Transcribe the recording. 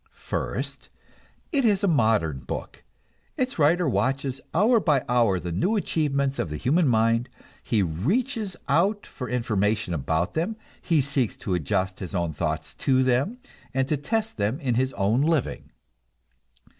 First, it is a modern book; its writer watches hour by hour the new achievements of the human mind, he reaches out for information about them, he seeks to adjust his own thoughts to them and to test them in his own living.